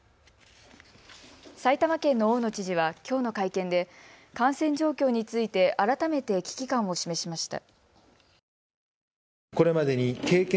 埼玉県の大野知事はきょうの会見で感染状況について改めて危機感を示しました。